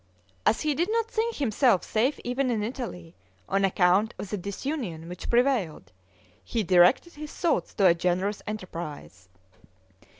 As he did not think himself safe even in Italy, on account of the disunion which prevailed, he directed his thoughts to a generous enterprise.